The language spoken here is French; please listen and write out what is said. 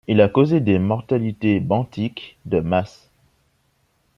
Il a causé des mortalités benthiques de masse.